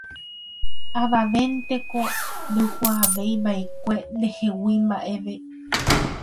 Avavénteko ndoikuaavéiva'ekue ndehegui mba'eve